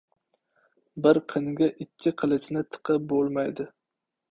• Bir qinga ikki qilichni tiqib bo‘lmaydi.